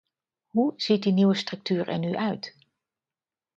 Hoe ziet de nieuwe structuur er nu uit?